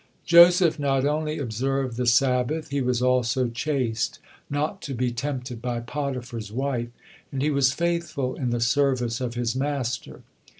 Joseph not only observed the Sabbath, he was also chaste, not to be tempted by Potiphar's wife, and he was faithful in the service of his master.